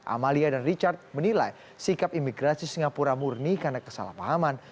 amalia dan richard menilai sikap imigrasi singapura murni karena kesalahpahaman